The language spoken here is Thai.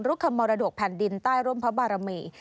คำมรดกแผ่นดินใต้ร่มพระบารมี